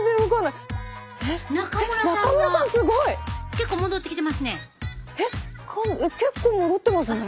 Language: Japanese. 結構戻ってきてますね。